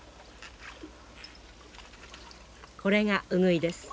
これがウグイです。